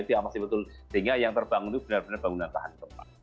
diawasi betul sehingga yang terbangun itu benar benar bangunan tahan gempa